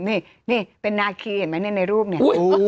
นี่เป็นนาคีเห็นไหมในรูปเนี่ย